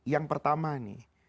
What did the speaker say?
yang pertama nih